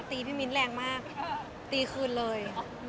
พี่มิ้นแรงมากตีคืนเลย